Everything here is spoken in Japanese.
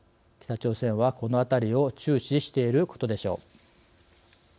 北朝鮮はこのあたりを注視していることでしょう。